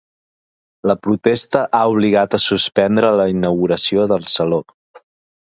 La protesta ha obligat a suspendre la inauguració del saló.